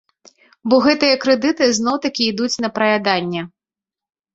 Бо гэтыя крэдыты зноў-такі ідуць на праяданне.